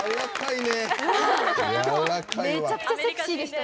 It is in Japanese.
めちゃくちゃセクシーでした。